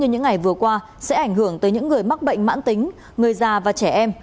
những ngày vừa qua sẽ ảnh hưởng tới những người mắc bệnh mãn tính người già và trẻ em